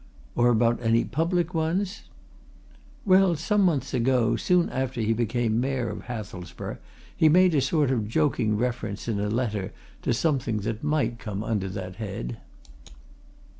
"Or about any public ones?" "Well, some months ago, soon after he became Mayor of Hathelsborough, he made a sort of joking reference, in a letter, to something that might come under that head."